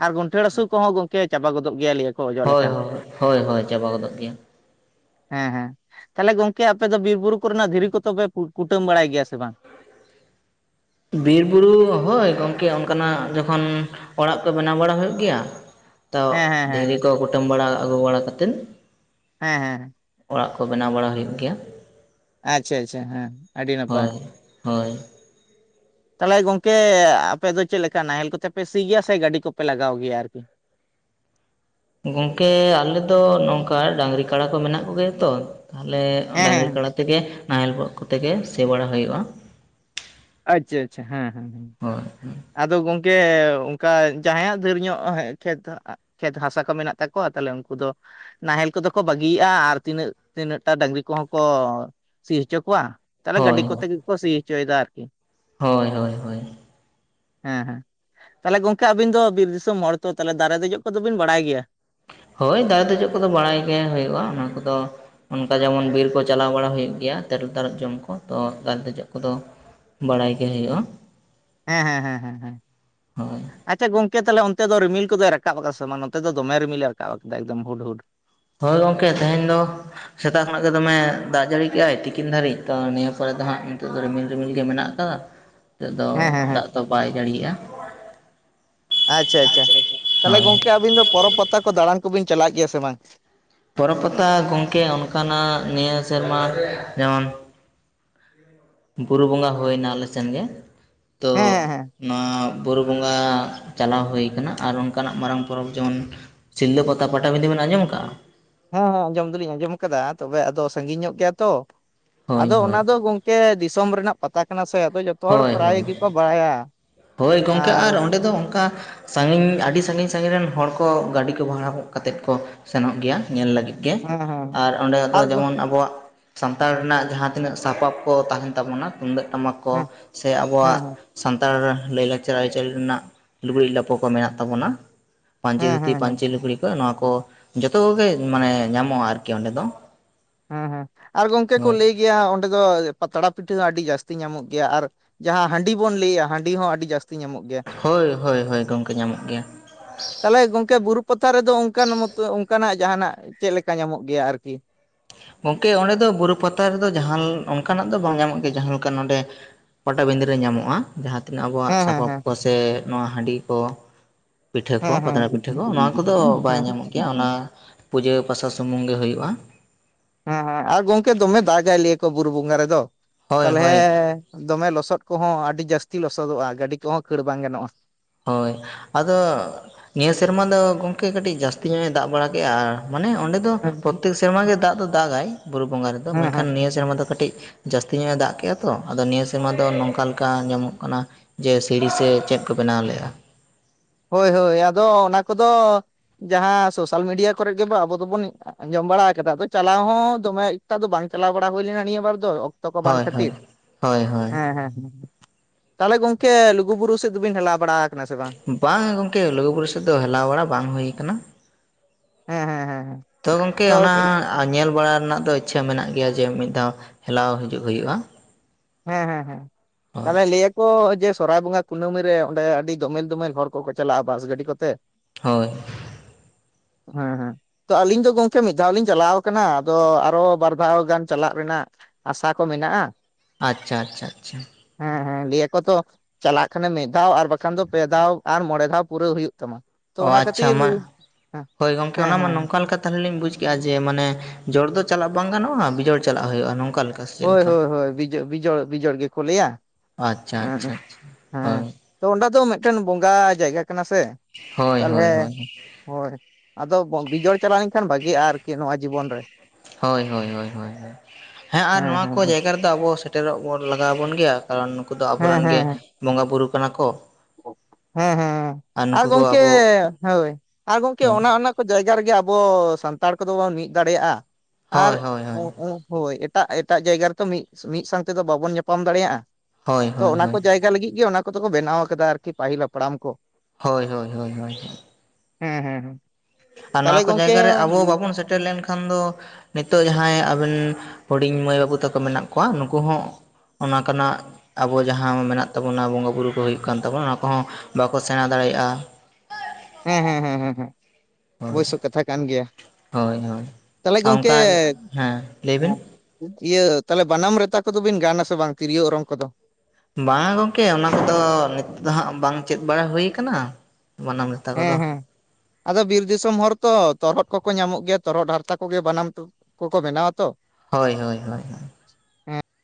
ᱟᱨ ᱜᱚᱱᱴᱷᱮᱲ ᱦᱟᱹᱥᱩ ᱠᱚᱦᱚᱸ ᱜᱚᱝᱠᱮ ᱪᱟᱵᱟ ᱜᱚᱫᱚᱜ ᱜᱮᱭᱟ ᱞᱮᱭᱟᱠᱚ ᱦᱚᱭ ᱦᱚᱭ ᱦᱚᱭ ᱦᱚᱭ ᱪᱟᱵᱟ ᱜᱚᱫᱚᱜ ᱜᱮᱭᱟ ᱦᱮᱸ ᱦᱮᱸ ᱛᱟᱦᱚᱞᱮ ᱜᱚᱝᱠᱮ ᱟᱯᱮ ᱫᱚ ᱵᱤᱨ ᱵᱩᱨᱩ ᱠᱚᱨᱮᱱᱟᱜ ᱫᱷᱤᱨᱤ ᱠᱚᱫᱚ ᱯᱮ ᱠᱩᱴᱟᱹᱢ ᱵᱟᱲᱟᱭ ᱜᱮᱭᱟ ᱥᱮ ᱵᱟᱝ ᱵᱤᱨ ᱵᱩᱨᱩ ᱦᱳᱭ ᱜᱚᱢᱠᱮ ᱚᱱᱠᱟᱱᱟᱜ ᱡᱚᱠᱷᱚᱱ ᱚᱲᱟᱜ ᱠᱚ ᱵᱮᱱᱟᱣ ᱵᱟᱲᱟ ᱦᱩᱭᱩᱜ ᱜᱮᱭᱟ ᱛᱚ ᱦᱮᱸ ᱦᱮᱸ ᱦᱮᱸ ᱫᱷᱤᱨᱤ ᱠᱚ ᱠᱩᱴᱟᱹᱢ ᱵᱟᱲᱟ ᱟᱹᱜᱩ ᱵᱟᱲᱟ ᱠᱟᱛᱮᱫ ᱦᱮᱸ ᱦᱮᱸ ᱚᱲᱟᱜ ᱠᱚ ᱵᱮᱱᱟᱣ ᱵᱟᱲᱟ ᱦᱩᱭᱩᱜ ᱜᱮᱭᱟ ᱟᱪᱪᱷᱟ ᱟᱪᱪᱷᱟ ᱦᱮᱸ ᱟᱹᱰᱤ ᱱᱟᱯᱟᱭ ᱦᱳᱭ ᱦᱳᱭ ᱛᱟᱦᱚᱞᱮ ᱜᱚᱝᱠᱮ ᱟᱯᱮ ᱫᱚ ᱪᱮᱫ ᱞᱮᱠᱟ ᱱᱟᱦᱮᱞ ᱠᱚᱛᱮ ᱯᱮ ᱥᱤ ᱜᱮᱭᱟ ᱥᱮ ᱜᱟᱹᱰᱤ ᱠᱚᱯᱮ ᱞᱟᱜᱟᱣ ᱜᱮᱭᱟ ᱟᱨᱠᱤ ᱜᱚᱝᱠᱮ ᱟᱞᱮᱫᱚ ᱱᱚᱝᱠᱟ ᱰᱟᱹᱝᱨᱤ ᱠᱟᱲᱟ ᱠᱚ ᱢᱮᱱᱟᱜ ᱠᱚᱜᱮᱭᱟ ᱛᱚ ᱛᱟᱦᱚᱞᱮ ᱦᱮᱸ ᱦᱮᱸ ᱰᱟᱹᱝᱨᱤ ᱦᱮᱸ, ᱠᱟᱲᱟ ᱛᱮᱜᱮ ᱱᱟᱦᱮᱞ ᱠᱚᱛᱮ ᱜᱮ ᱥᱮ ᱵᱟᱲᱟ ᱦᱩᱭᱩᱜᱼᱟ ᱟᱪᱪᱷᱟ ᱟᱪᱪᱷᱟ ᱦᱮᱸ ᱦᱮᱸ ᱦᱮᱸ ᱦᱳᱭ ᱦᱳᱭ ᱟᱫᱚ ᱜᱚᱝᱠᱮ ᱚᱱᱠᱟ ᱡᱟᱦᱟᱸᱭᱟᱜ ᱰᱷᱮᱨ ᱧᱚᱜ ᱠᱷᱮᱛ ᱠᱷᱮᱛ ᱦᱟᱥᱟ ᱠᱚ ᱢᱮᱱᱟᱜ ᱛᱟᱠᱚᱣᱟ ᱛᱟᱦᱚᱞᱮ ᱩᱱᱠᱩ ᱫᱚ ᱱᱟᱦᱮᱞ ᱠᱚᱫᱚ ᱠᱚ ᱵᱟᱹᱜᱤᱭᱟᱜᱼᱟ ᱟᱨ ᱛᱤᱱᱟᱹᱜ ᱛᱤᱱᱟᱹᱜ ᱴᱟ ᱰᱟᱹᱝᱨᱤ ᱠᱚᱦᱚᱸ ᱠᱚ ᱥᱤ ᱦᱚᱪᱚ ᱠᱚᱣᱟ ᱛᱟᱦᱚᱞᱮ ᱜᱟᱹᱰᱤ ᱦᱳᱭ ᱠᱚᱛᱮᱜᱮ ᱠᱚ ᱥᱤ ᱦᱚᱪᱚᱭᱮᱫᱟ ᱟᱨᱠᱤ ᱦᱳᱭ ᱦᱳᱭ ᱦᱳᱭ ᱦᱮᱸ ᱦᱮᱸ ᱛᱟᱦᱚᱞᱮ ᱜᱚᱝᱠᱮ ᱟᱹᱵᱤᱱ ᱫᱚ ᱵᱤᱨ ᱫᱤᱥᱚᱢ ᱦᱚᱲ ᱛᱚ ᱛᱟᱦᱚᱞᱮ ᱫᱟᱨᱮ ᱫᱮᱡᱚᱜ ᱠᱚᱫᱚ ᱵᱤᱱ ᱵᱟᱲᱟᱭ ᱜᱮᱭᱟ ᱦᱳᱭ ᱫᱟᱨᱮ ᱫᱮᱡᱚᱜ ᱠᱚᱫᱚ ᱵᱟᱲᱟᱭ ᱜᱮ ᱦᱩᱭᱩᱜᱼᱟ ᱚᱱᱟ ᱠᱚᱫᱚ ᱚᱱᱠᱟ ᱡᱮᱢᱚᱱ ᱵᱤᱨ ᱠᱚ ᱪᱟᱞᱟᱣ ᱵᱟᱲᱟ ᱦᱩᱭᱩᱜ ᱜᱮᱭᱟ ᱛᱮᱨᱮᱞ ᱛᱟᱨᱚᱵ ᱡᱚᱢ ᱠᱚ ᱛᱚ ᱫᱟᱨᱮ ᱫᱮᱡᱚᱜ ᱠᱚᱫᱚ ᱵᱟᱲᱟᱭ ᱜᱮ ᱦᱩᱭᱩᱜᱼᱟ ᱦᱮᱸ ᱦᱮᱸ ᱦᱮᱸ ᱦᱮᱸ ᱦᱳᱭ ᱟᱪᱪᱷᱟ ᱜᱚᱝᱠᱮ ᱛᱟᱦᱚᱞᱮ ᱚᱱᱛᱮ ᱫᱚ ᱨᱤᱢᱤᱞ ᱫᱚᱭ ᱨᱟᱠᱟᱵ ᱟᱠᱟᱫ ᱥᱮ ᱵᱟᱝᱟᱱ ᱱᱚᱛᱮ ᱫᱚᱢᱮ ᱨᱤᱞᱮ ᱨᱟᱠᱟᱵ ᱟᱠᱟᱫᱟ ᱮᱠᱫᱚᱢ ᱦᱩᱰ ᱦᱩᱰ ᱦᱳᱭ ᱜᱚᱝᱠᱮ ᱛᱮᱦᱮᱧ ᱫᱚ ᱥᱮᱛᱟᱜ ᱠᱷᱚᱱᱟᱜ ᱜᱮ ᱫᱚᱢᱮ ᱫᱟᱜ ᱡᱟᱹᱲᱤ ᱠᱮᱫᱮᱜᱼᱟᱭ ᱛᱤᱠᱤᱱ ᱫᱷᱟᱹᱨᱤᱡ ᱛᱚ ᱱᱤᱭᱟᱹ ᱯᱚᱨᱮ ᱫᱚ ᱦᱟᱸᱜ ᱱᱤᱛᱚᱜ ᱫᱚ ᱨᱤᱢᱤᱞ ᱨᱤᱢᱤᱞ ᱜᱮ ᱢᱮᱱᱟᱜ ᱟᱠᱟᱫᱟ ᱱᱤᱛᱚᱜ ᱫᱚ ᱦᱮᱸ ᱦᱮᱸ ᱦᱮᱸ ᱫᱟᱜ ᱫᱚ ᱵᱟᱭ ᱡᱟᱹᱲᱤᱭᱟᱜᱼᱟ ᱟᱪᱪᱷᱟ ᱟᱪᱪᱷᱟ ᱛᱟᱦᱚᱞᱮ ᱦᱳᱭ ᱜᱚᱝᱠᱮ ᱟᱹᱵᱤᱱ ᱫᱚ ᱯᱚᱨᱚᱵᱽ ᱯᱟᱛᱟ ᱠᱚ ᱫᱟᱬᱟᱱ ᱠᱚᱵᱤᱱ ᱪᱟᱞᱟᱜ ᱜᱮᱭᱟ ᱥᱮ ᱵᱟᱝ ᱯᱚᱨᱚᱵᱽ ᱯᱟᱛᱟ ᱜᱚᱢᱠᱮ ᱚᱱᱠᱟᱱᱟᱜ ᱱᱤᱭᱟᱹ ᱥᱮᱨᱢᱟ ᱡᱮᱢᱚᱱ ᱵᱩᱨᱩ ᱵᱚᱸᱜᱟ ᱦᱩᱭᱱᱟ ᱟᱞᱮ ᱥᱮᱱᱜᱮ ᱛᱳ ᱦᱮᱸ ᱦᱮᱸ ᱦᱮᱸ ᱚᱱᱟ ᱵᱩᱨᱩ ᱵᱚᱸᱜᱟ ᱪᱟᱞᱟᱣ ᱦᱩᱭ ᱟᱠᱟᱱᱟ ᱟᱨ ᱚᱱᱠᱟᱱᱟᱜ ᱢᱟᱨᱟᱝ ᱯᱚᱨᱚᱵᱽ ᱡᱮᱢᱚᱱ ᱥᱤᱞᱫᱟᱹ ᱯᱟᱛᱟ ᱯᱟᱴᱟᱵᱤᱫᱟᱹ ᱵᱮ ᱟᱸᱡᱚᱢ ᱟᱠᱟᱜᱼᱟ ᱦᱮᱸ ᱦᱮᱸ ᱟᱸᱡᱚᱢ ᱫᱚᱞᱤᱧ ᱟᱸᱡᱚᱢ ᱟᱠᱟᱫᱟ ᱛᱚᱵᱮ ᱟᱫᱚ ᱥᱟᱺᱜᱤᱧ ᱧᱚᱜ ᱜᱮᱭᱟ ᱛᱚ ᱦᱳᱭ ᱟᱫᱚ ᱦᱳᱭ ᱚᱱᱟ ᱫᱚ ᱜᱚᱝᱠᱮ ᱠᱮ ᱫᱤᱥᱚᱢ ᱨᱮᱱᱟᱜ ᱯᱟᱛᱟ ᱠᱟᱱᱟ ᱥᱮ ᱟᱫᱚ ᱡᱚᱛᱚ ᱦᱚᱲ ᱦᱳᱭ ᱯᱨᱟᱭ ᱦᱳᱭ ᱜᱮᱠᱚ ᱵᱟᱲᱟᱭᱟ ᱦᱳᱭ ᱜᱚᱢᱠᱮ ᱟᱨ ᱚᱸᱰᱮ ᱫᱚ ᱚᱱᱠᱟ ᱥᱟᱺᱜᱤᱧ ᱟᱹᱰᱤ ᱥᱟᱺᱜᱤᱧ ᱥᱟᱺᱜᱤᱧ ᱨᱮᱱ ᱦᱚᱲ ᱠᱚ ᱜᱟᱹᱰᱤ ᱠᱚ ᱵᱷᱟᱲᱟ ᱠᱟ ᱠᱟᱛᱮᱫ ᱠᱚ ᱥᱮᱱᱚᱜ ᱜᱮᱭᱟ ᱧᱮᱞ ᱞᱟᱹᱜᱤᱫ ᱛᱮ ᱜᱮ ᱦᱮᱸ ᱦᱮᱸ ᱟᱨ ᱚᱸᱰᱮ ᱫᱚ ᱟᱨ ᱡᱮᱢᱚᱱ ᱟᱵᱚᱣᱟᱜ ᱥᱟᱱᱛᱟᱲ ᱨᱮᱱᱟᱜ ᱡᱟᱦᱟᱸ ᱛᱤᱱᱟᱹᱜ ᱥᱟᱯᱟᱵ ᱠᱚ ᱛᱟᱦᱮᱱ ᱛᱟᱵᱚᱱᱟ ᱛᱩᱢᱫᱟᱹᱜ ᱴᱟᱢᱟᱠ ᱠᱚ ᱦᱮᱸ ᱥᱮ ᱦᱮᱸ ᱟᱵᱚᱣᱟᱜ ᱦᱮᱸ ᱥᱟᱱᱛᱟᱲ ᱞᱟᱭᱼᱞᱟᱠᱪᱟᱨ ᱟᱹᱨᱤᱪᱟᱹᱞᱤ ᱨᱮᱱᱟᱜ ᱞᱩᱜᱽᱲᱤᱡ ᱞᱟᱯᱚ ᱠᱚ ᱢᱮᱱᱟᱜ ᱛᱟᱵᱚᱱᱟ ᱯᱟᱹᱧᱪᱤ ᱦᱮᱸ ᱫᱷᱩᱛᱤ ᱦᱮᱸ ᱦᱮᱸ ᱯᱟᱹᱧᱪᱤ ᱞᱩᱜᱽᱲᱤ ᱠᱚ ᱱᱚᱣᱟ ᱠᱚ ᱡᱚᱛᱚ ᱠᱚᱜᱮ ᱢᱟᱱᱮ ᱧᱟᱢᱚᱜᱼᱟ ᱟᱨᱠᱤ ᱚᱸᱰᱮ ᱫᱚ ᱦᱮᱸ ᱦᱮᱸ ᱟᱨ ᱜᱚᱢᱠᱮ ᱠᱚ ᱦᱳᱭ ᱞᱟᱹᱭ ᱜᱮᱭᱟ ᱚᱸᱰᱮ ᱫᱚ ᱯᱟᱛᱲᱟ ᱯᱤᱴᱷᱟᱹ ᱦᱚᱸ ᱟᱹᱰᱤ ᱡᱟᱹᱥᱛᱤ ᱧᱟᱢᱚᱜ ᱜᱮᱭᱟ ᱟᱨ ᱡᱟᱦᱟᱸ ᱦᱟᱺᱰᱤ ᱵᱚᱱ ᱞᱟᱹᱭᱟ ᱦᱟᱺᱰᱤ ᱦᱚᱸ ᱟᱹᱰᱤ ᱡᱟᱹᱥᱛᱤ ᱧᱟᱢᱚᱜ ᱠᱟᱱᱟ ᱦᱳᱭ ᱦᱳᱭ ᱦᱳᱭ ᱜᱚᱝᱠᱮ ᱧᱟᱢᱚᱜ ᱜᱮᱭᱟ ᱛᱟᱦᱚᱞᱮ ᱜᱚᱝᱠᱮ ᱵᱩᱨᱩ ᱯᱟᱛᱟ ᱨᱮᱫᱚ ᱚᱱᱠᱟᱱ ᱢᱚᱛᱚ ᱚᱱᱠᱟᱱᱟᱜ ᱡᱟᱦᱟᱱᱟᱜ ᱪᱮᱫ ᱞᱮᱠᱟ ᱧᱟᱢᱚᱜ ᱜᱮᱭᱟ ᱟᱨᱠᱤ ᱜᱚᱝᱠᱮ ᱚᱸᱰᱮ ᱫᱚ ᱵᱩᱨᱩ ᱯᱟᱛᱟ ᱨᱮᱫᱚ ᱚᱱᱠᱟᱱᱟᱜ ᱫᱚ ᱵᱟᱝ ᱧᱟᱢᱚᱜ ᱜᱮᱭᱟ ᱡᱟᱦᱟᱸ ᱞᱮᱠᱟ ᱱᱚᱸᱰᱮ ᱯᱟᱴᱟ ᱵᱤᱸᱫᱟᱹᱨᱮ ᱧᱟᱢᱚᱜᱼᱟ ᱡᱟᱦᱟᱸ ᱛᱤᱱᱟᱹᱜ ᱟᱵᱚᱣᱟᱜ ᱦᱮᱸ ᱦᱮᱸ ᱥᱟᱯᱟᱵ ᱦᱮᱸ ᱠᱚᱥᱮ ᱱᱚᱣᱟ ᱦᱟᱺᱰᱤ ᱠᱚ ᱯᱤᱴᱷᱟᱹ ᱠᱚ ᱦᱮᱸ ᱦᱮᱸ ᱯᱟᱛᱲᱟ ᱯᱤᱴᱷᱟᱹ ᱠᱚ ᱱᱚᱣᱟ ᱠᱚᱫᱚ ᱦᱮᱸ ᱵᱟᱭ ᱦᱮᱸ ᱧᱟᱢᱚᱜ ᱜᱮᱭᱟ ᱚᱱᱟ ᱯᱩᱡᱟᱹ ᱯᱟᱥᱟ ᱥᱩᱢᱩᱝ ᱜᱮ ᱦᱩᱭᱩᱜᱼᱟ ᱦᱮᱸ ᱦᱮᱸ ᱟᱨ ᱜᱚᱝᱠᱮ ᱫᱚᱢᱮ ᱫᱟᱜᱟᱭ ᱞᱮᱭᱟ ᱠᱚ ᱵᱩᱨᱩ ᱵᱚᱸᱜᱟ ᱨᱮᱫᱚ ᱦᱳᱭ ᱛᱟᱦᱚᱞᱮ? ᱦᱳᱭ ᱫᱚᱢᱮ ᱞᱚᱥᱚᱫ ᱠᱚᱦᱚᱸ ᱟᱹᱰᱤ ᱡᱟᱹᱥᱛᱤ ᱞᱚᱥᱚᱫᱚᱜᱼᱟ ᱜᱟᱹᱰᱤ ᱠᱚᱦᱚᱸ ᱠᱷᱟᱹᱲ ᱵᱟᱝ ᱜᱟᱱᱚᱜᱼᱟ ᱦᱳᱭ ᱟᱫᱚ ᱱᱤᱭᱟᱹ ᱥᱮᱨᱢᱟ ᱫᱚ ᱜᱚᱝᱠᱮ ᱠᱟᱹᱴᱤᱡ ᱡᱟᱹᱥᱛᱤ ᱧᱚᱜ ᱮ ᱫᱟᱜ ᱵᱟᱲᱟ ᱠᱮᱫᱼᱟ ᱟᱨ ᱢᱟᱱᱮ ᱚᱸᱰᱮ ᱫᱚ ᱫᱚ ᱦᱮᱸ ᱯᱚᱛᱛᱮᱠ ᱥᱮᱨᱢᱟ ᱜᱮ ᱫᱟᱜ ᱫᱚ ᱫᱟᱜᱟᱭ ᱵᱩᱨᱩ ᱵᱚᱸᱜᱟ ᱨᱮᱫᱚ ᱦᱮᱸ ᱢᱮᱱᱠᱷᱟᱱ ᱦᱮᱸ ᱱᱤᱭᱟᱹ ᱥᱮᱨᱢᱟ ᱫᱚ ᱠᱟᱹᱴᱤᱡ ᱡᱟᱹᱥᱛᱤ ᱧᱚᱜ ᱮ ᱫᱟᱜ ᱠᱮᱫᱼᱟ ᱛᱚ ᱟᱫᱚ ᱱᱤᱭᱟᱹ ᱥᱮᱨᱢᱟ ᱫᱚ ᱱᱚᱝᱠᱟ ᱞᱮᱠᱟ ᱧᱟᱢᱚᱜ ᱠᱟᱱᱟ ᱡᱮ ᱥᱤᱲᱤ ᱥᱮ ᱪᱮᱫ ᱠᱚ ᱵᱮᱱᱟᱣ ᱞᱮᱫᱼᱟ ᱦᱳᱭ ᱦᱳᱭ ᱟᱫᱚ ᱚᱱᱟ ᱠᱚᱫᱚ ᱡᱟᱦᱟᱸ ᱥᱳᱥᱟᱞ ᱢᱤᱰᱤᱭᱟ ᱠᱚᱨᱮ ᱜᱮᱵᱚ ᱟᱵᱚ ᱫᱚᱵᱚᱱ ᱟᱸᱡᱚᱢ ᱵᱟᱲᱟ ᱟᱠᱟᱫᱟ ᱟᱫᱚ ᱪᱟᱞᱟᱣ ᱦᱚᱸ ᱫᱚᱢᱮ ᱮᱠᱴᱟ ᱫᱚ ᱵᱟᱝ ᱪᱟᱞᱟᱣ ᱵᱟᱲᱟ ᱦᱩᱭ ᱞᱮᱱᱟ ᱱᱤᱭᱟᱹ ᱵᱟᱨ ᱫᱚ ᱛᱚ ᱠᱚ ᱵᱟᱝ ᱦᱳᱭ ᱦᱳᱭ ᱠᱷᱟᱹᱛᱤᱨ ᱦᱳᱭ ᱦᱳᱭ ᱦᱮᱸ ᱦᱮᱸ ᱛᱟᱦᱚᱞᱮ ᱜᱚᱝᱠᱮ ᱞᱩᱜᱩ ᱵᱩᱨᱩ ᱥᱮᱫ ᱫᱚᱵᱤᱱ ᱦᱮᱞᱟᱣ ᱵᱟᱲᱟ ᱠᱟᱱᱟ ᱥᱮ ᱵᱟᱝ ᱵᱟᱝ ᱜᱚᱝᱠᱮ ᱞᱩᱜᱩᱵᱩᱨᱩ ᱥᱮᱫ ᱫᱚ ᱦᱮᱞᱟᱣ ᱵᱟᱲᱟ ᱵᱟᱝ ᱦᱩᱭ ᱟᱠᱟᱱᱟ ᱦᱮᱸ ᱦᱮᱸ ᱦᱮᱸ ᱦᱮᱸ ᱛᱚ ᱜᱚᱝᱠᱮ ᱚᱱᱟ ᱧᱮᱞ ᱵᱟᱲᱟ ᱨᱮᱱᱟᱜ ᱫᱚ ᱤᱪᱪᱷᱟᱹ ᱢᱮᱱᱟᱜ ᱜᱮᱭᱟ ᱡᱮ ᱢᱤᱫ ᱫᱷᱟᱣ ᱦᱮᱞᱟᱣ ᱦᱤᱡᱩᱜ ᱦᱩᱭᱩᱜᱼᱟ ᱦᱮᱸ ᱦᱮᱸ ᱦᱮᱸ ᱦᱳᱭ ᱛᱟᱦᱚᱞᱮ ᱞᱟᱹᱭ ᱠᱚ ᱡᱮ ᱥᱚᱨᱟᱭ ᱵᱚᱸᱜᱟ ᱠᱩᱱᱟᱹᱢᱤ ᱨᱮ ᱚᱸᱰᱮ ᱟᱹᱰᱤ ᱫᱚᱢᱮᱞ ᱫᱚᱢᱮᱞ ᱦᱚᱲ ᱠᱚᱠᱚ ᱪᱟᱞᱟᱜᱼᱟ ᱵᱟᱥ ᱜᱟᱹᱰᱤ ᱠᱚᱛᱮ ᱦᱳᱭ ᱦᱮᱸ ᱦᱮᱸ ᱛᱚ ᱟᱞᱤᱧ ᱫᱚ ᱜᱚᱝᱠᱮ ᱢᱤᱫ ᱫᱷᱟᱣ ᱞᱤᱧ ᱪᱟᱞᱟᱣ ᱟᱠᱟᱱᱟ ᱟᱫᱚ ᱟᱨᱚ ᱵᱟᱨ ᱫᱷᱟᱣ ᱜᱟᱱ ᱪᱟᱞᱟᱜ ᱨᱮᱱᱟᱜ ᱟᱥᱟ ᱠᱚ ᱢᱮᱱᱟᱜᱼᱟ ᱟᱪᱪᱷᱟ ᱟᱪᱪᱷᱟ ᱟᱪᱪᱷᱟ ᱦᱮᱸ ᱦᱮᱸ ᱜᱮᱭᱟ ᱠᱚ ᱛᱚ ᱪᱟᱞᱟᱜ ᱠᱟᱱᱮᱢ ᱢᱤᱫ ᱫᱷᱟᱣ ᱟᱨ ᱵᱟᱠᱷᱟᱱ ᱫᱚ ᱯᱮ ᱫᱷᱟᱣ ᱟᱨ ᱢᱚᱬᱮ ᱫᱷᱟᱣ ᱯᱩᱨᱟᱹ ᱦᱩᱭᱩᱜ ᱛᱟᱢᱟ ᱛᱚ ᱚ ᱚᱱᱟ ᱟᱪᱪᱷᱟ ᱠᱷᱟᱹᱛᱤᱨ ᱢᱟ ᱦᱮᱸ ᱦᱳᱭ ᱜᱚᱢᱠᱮ ᱦᱮᱸ ᱚᱱᱟ ᱢᱟ ᱦᱮᱸ ᱱᱚᱝᱠᱟ ᱛᱟᱦᱚᱞᱮ ᱞᱤᱧ ᱵᱩᱡᱽ ᱠᱮᱫᱼᱟ ᱡᱮ ᱢᱟᱱᱮ ᱡᱚᱲ ᱫᱚ ᱪᱟᱞᱟᱜ ᱵᱟᱝ ᱜᱟᱱᱚᱜᱼᱟ ᱵᱤᱡᱚᱲ ᱪᱟᱞᱟᱜ ᱦᱩᱭᱩᱜᱼᱟ ᱱᱚᱝᱠᱟ ᱞᱮᱠᱟ ᱥᱮ ᱪᱮᱫ ᱦᱳᱭ ᱞᱮᱠᱟ? ᱦᱳᱭ ᱦᱳᱭ ᱵᱤᱡᱚ ᱵᱤᱡᱚᱲ ᱵᱤᱡᱳᱚᱲ ᱜᱮᱠᱚ ᱞᱟᱹᱭᱟ ᱟᱪᱪᱷᱟ ᱦ ᱟᱪᱪᱷᱟ ᱟᱪᱪᱷᱟ ᱦᱮᱸ ᱛᱚ ᱚᱸᱰᱮ ᱫᱚ ᱢᱤᱫᱴᱮᱱ ᱵᱚᱸᱜᱟ ᱡᱟᱭᱜᱟ ᱠᱟᱱᱟ ᱥᱮ ᱦᱳᱭ ᱦᱳᱭ ᱛᱟᱦᱚᱞᱮ ᱦᱳᱭ ᱦᱳᱭ ᱟᱫᱚ ᱵᱤᱡᱳᱚᱲ ᱪᱟᱞᱟᱣ ᱞᱮᱱ ᱠᱷᱟᱱ ᱵᱷᱟᱜᱤᱜᱼᱟ ᱟᱨᱠᱤ ᱱᱚᱣᱟ ᱡᱤᱵᱚᱱ ᱨᱮ ᱦᱳᱭ ᱦᱳᱭ ᱦᱮᱸ ᱟᱨ ᱱᱚᱣᱟ ᱦᱮᱸ ᱠᱚ ᱦᱮᱸ ᱡᱟᱭᱜᱟ ᱨᱮᱫᱚ ᱫᱚ ᱟᱵᱚ ᱥᱮᱴᱮᱨᱚᱜᱚᱱ ᱞᱟᱜᱟᱣᱵᱚᱱ ᱜᱮᱭᱟ ᱠᱟᱨᱚᱱ ᱱᱩᱠᱩ ᱫᱚ ᱟᱵᱚ ᱨᱮᱱ ᱦᱮᱸ ᱜᱮ ᱦᱮᱸ ᱵᱚᱸᱜᱟ ᱵᱩᱨᱩ ᱠᱟᱱᱟ ᱠᱚ ᱦᱮᱸ ᱦᱮᱸ ᱟᱨ ᱱᱩᱠᱩ ᱠᱚ ᱜᱚᱢᱠᱮ ᱟᱵᱚ ᱦᱳᱭ ᱟᱨ ᱜᱚᱢᱠᱮ ᱦᱳᱭ ᱚᱱ ᱚᱱᱟ ᱠᱚ ᱡᱟᱭᱜᱟ ᱨᱮᱜᱮ ᱟᱵᱚ ᱥᱟᱱᱛᱟᱲ ᱠᱚᱫᱚ ᱵᱚᱱ ᱢᱤᱫ ᱫᱟᱲᱮᱭᱟᱜᱼᱟ ᱟᱨ ᱦᱳᱭ ᱦᱳᱭ ᱦᱳᱭ ᱦᱳᱭ ᱮᱴᱟᱜ ᱮᱴᱟᱜ ᱡᱟᱭᱜᱟ ᱨᱮᱛᱚ ᱢᱤᱫ ᱢᱤᱫ ᱥᱟᱶ ᱛᱮᱫᱚ ᱵᱟᱵᱚᱱ ᱧᱟᱯᱟᱢ ᱫᱟᱲᱮᱭᱟᱜᱼᱟ ᱦᱳᱭ ᱛᱚ ᱦᱳᱭ ᱚᱱᱟ ᱠᱚ ᱦᱳᱭ ᱡᱟᱭᱜᱟ ᱞᱟᱹᱜᱤᱫ ᱜᱮ ᱚᱱᱟ ᱠᱚᱫᱚ ᱠᱚ ᱵᱮᱱᱟᱣ ᱟᱠᱟᱫᱟ ᱟᱨᱠᱤ ᱯᱟᱹᱦᱤᱞ ᱦᱟᱯᱲᱟᱢ ᱠᱚ ᱦᱳᱭ ᱦᱳᱭ ᱦᱳᱭ ᱦᱳᱭ ᱦᱳᱭ ᱦᱩᱸ ᱦᱩᱸ ᱦᱩᱸ ᱟᱨ ᱱᱚᱣᱟ ᱠᱚ ᱡᱟᱭᱜᱟ ᱨᱮ ᱟᱵᱚ ᱵᱟᱵᱚᱱ ᱥᱮᱴᱮᱨ ᱞᱮᱱᱠᱷᱟᱱ ᱠᱷᱟᱱ ᱫᱚ ᱱᱤᱛᱚᱜ ᱡᱟᱦᱟᱸᱭ ᱟᱵᱮᱱ ᱦᱩᱰᱤᱧ ᱢᱟᱹᱭ ᱵᱟᱹᱵᱩ ᱛᱟᱠᱚ ᱢᱮᱱᱟᱜ ᱠᱚᱣᱟ ᱱᱩᱠᱩ ᱦᱚᱸ ᱚᱱᱟ ᱠᱟᱱᱟᱜ ᱟᱵᱚ ᱡᱟᱦᱟᱸ ᱢᱮᱱᱟᱜ ᱛᱟᱵᱚᱱᱟ ᱵᱚᱸᱜᱟ ᱵᱩᱨᱩ ᱠᱚ ᱦᱩᱭᱩᱜ ᱠᱟᱱ ᱛᱟᱵᱚᱱᱟ ᱚᱱᱟ ᱠᱚᱦᱚᱸ ᱵᱟᱠᱚ ᱥᱮᱸᱬᱟ ᱫᱟᱲᱮᱭᱟᱜᱼᱟ ᱦᱮᱸ ᱦᱮᱸ ᱦᱮᱸ ᱦᱮᱸ ᱦᱮᱸ ᱦᱳᱭ ᱚᱵᱚᱥᱥᱳᱭ ᱠᱟᱛᱷᱟ ᱠᱟᱱ ᱜᱮᱭᱟ ᱦᱳᱭ ᱦᱳᱭ ᱛᱟᱦᱚᱞᱮ ᱜᱚᱢᱠᱮ ᱚᱱᱠᱟ ᱦᱮᱸ ᱞᱟᱹᱭ ᱵᱤᱱ ᱤᱭᱟᱹ ᱛᱟᱦᱚᱞᱮ ᱵᱟᱱᱟᱢ ᱨᱮᱛᱟ ᱠᱚᱫᱚ ᱵᱤᱱ ᱜᱟᱱ-ᱟ ᱥᱮ ᱵᱟᱝ ᱛᱤᱨᱭᱳ ᱚᱨᱚᱝ ᱠᱚᱫᱚ ᱵᱟᱝ - ᱟ ᱜᱚᱝᱠᱮ ᱚᱱᱟ ᱠᱚᱫᱚ ᱱᱤᱛᱚᱜ ᱫᱚ ᱦᱟᱜ ᱵᱟᱝ ᱪᱮᱫ ᱵᱟᱲᱟ ᱦᱩᱭ ᱠᱟᱱᱟ ᱵᱟᱱᱟᱢ ᱜᱮ ᱦᱮᱸ ᱦᱮᱸ ᱟᱫᱚ ᱵᱤᱨ ᱫᱤᱥᱚᱢ ᱦᱚᱲ ᱛᱚ ᱛᱚᱨᱦᱚᱫ ᱠᱚᱠᱚ ᱧᱟᱢᱚᱜ ᱜᱮᱭᱟ ᱛᱚᱨᱦᱚᱫ ᱦᱟᱨᱛᱟ ᱠᱚᱜᱮ ᱵᱟᱱᱟᱢ ᱠᱚ ᱠᱚ ᱵᱮᱱᱟᱣᱟ ᱛᱚ ᱦᱳᱭ ᱦᱳᱭ ᱦᱳᱭ ᱦᱳᱭ